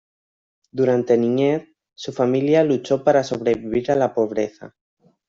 Durante niñez, su familia luchó para sobrevivir a la pobreza.